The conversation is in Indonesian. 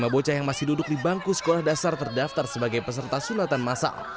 lima bocah yang masih duduk di bangku sekolah dasar terdaftar sebagai peserta sunatan masal